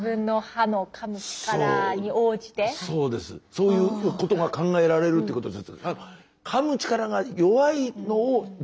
そういうことが考えられるってことです。